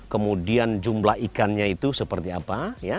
kemudian jumlah ikannya itu seperti apa